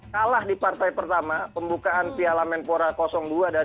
kalah di partai pertama pembukaan piala menpora dua dari psn makassar